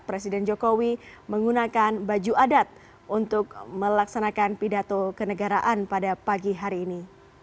presiden jokowi menggunakan baju adat untuk melaksanakan pidato kenegaraan pada pagi hari ini